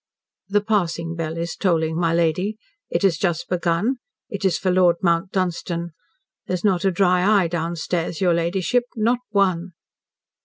"The passing bell is tolling, my lady. It has just begun. It is for Lord Mount Dunstan. There's not a dry eye downstairs, your ladyship, not one."